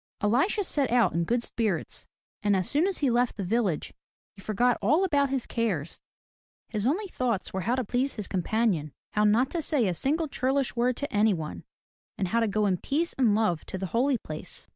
Elisha set out in good spirits; and as soon as he left the village he forgot all about his cares. His only thoughts were how to please his companion, how not to say a single churlish word to anyone, and how to go in peace and love to the Holy Place.